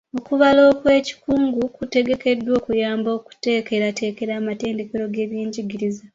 Okubala okw'ekikungo kutegekeddwa okuyamba okuteekerateekera amatendekero g'ebyenjigiriza.